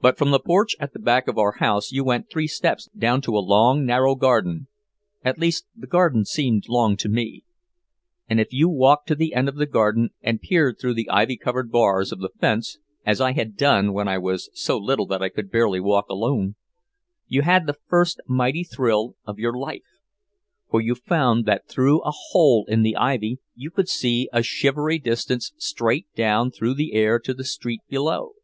But from the porch at the back of our house you went three steps down to a long narrow garden at least the garden seemed long to me and if you walked to the end of the garden and peered through the ivy covered bars of the fence, as I had done when I was so little that I could barely walk alone, you had the first mighty thrill of your life. For you found that through a hole in the ivy you could see a shivery distance straight down through the air to a street below.